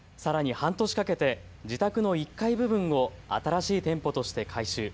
半年かけて自宅の１階部分を新しい店舗として改修。